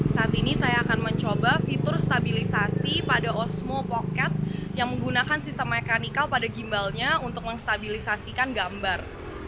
saat ini saya akan mencoba fitur stabilisasi pada osmo pocket yang menggunakan sistem mekanikal pada gimbalnya untuk menstabilisasikan gambar